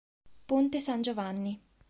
Ponte San Giovanni